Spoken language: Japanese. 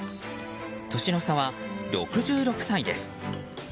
年の差は６６歳です。